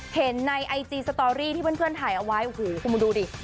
เห็นในไอจีสตอรี่ที่เพื่อนถ่ายเอาไว้โอ้โหคุณมาดูดิ